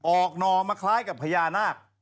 อ่อนนอมาคล้ายกับพญานาค